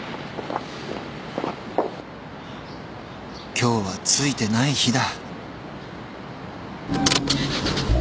今日はついてない日だ